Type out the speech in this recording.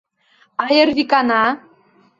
— А Эрвикана?